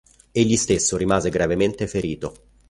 Egli stesso rimase gravemente ferito.